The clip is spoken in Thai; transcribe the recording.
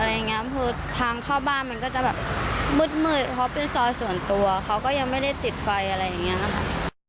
คือทางเข้าบ้านมันก็จะแบบมืดเพราะเป็นซอยส่วนตัวเขาก็ยังไม่ได้ติดไฟอะไรอย่างนี้ค่ะ